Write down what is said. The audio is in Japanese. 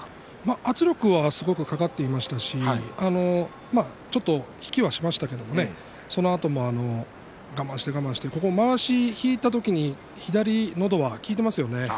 圧力はすごくかかっていましたしちょっと引きはしましたけれどもそのあとも、我慢して我慢してまわしを引いた時に左のど輪、効いていますよね。